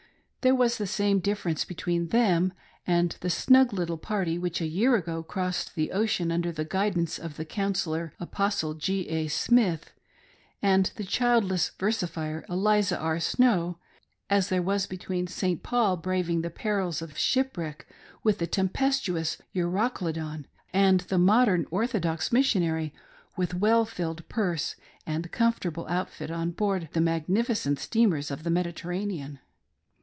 There was the same difference between them and the snug little party which a year ago crossed the ocean under the guidance of the councillor Apostle G. A. Smith, and the childless versifier Eliza R. Snow, as there was between St. Paul braving the perils of shipwreck with the tempestuous Euroclydon, and the modern orthodox missionary with well fiUed purse and comfortable outfit on board the magnificent steamers of the Mediterranean.